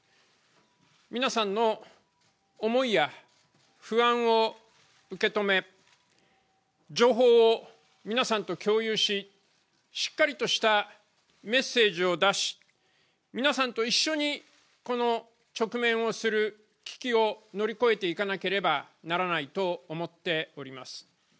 皆さんの想いや不安を受け止め、情報を皆さんと共有し、しっかりとしたメッセージを出し、皆さんと一緒に、この直面をする危機を乗り越えていかなければならないと思っております。